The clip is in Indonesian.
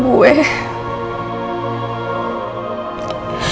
aku mau bersama nino